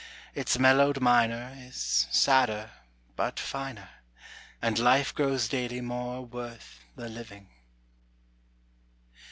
Its mellowed minor is sadder but finer, And life grows daily more worth the living.